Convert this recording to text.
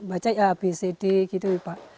baca ya bcd gitu pak